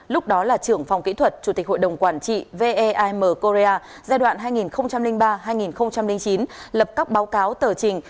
lúc đó là trưởng phòng kỹ thuật chủ tịch hội đồng quản trị veim korea giai đoạn hai nghìn ba hai nghìn chín lập các báo cáo tờ trình